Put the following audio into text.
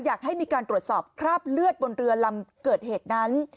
อยากให้มีการตรวจสอบคราบเลือดบนเรือลำเกิดเหตุนั้น